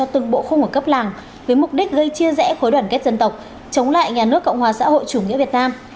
từng bộ khung ở cấp làng với mục đích gây chia rẽ khối đoàn kết dân tộc chống lại nhà nước cộng hòa xã hội chủ nghĩa việt nam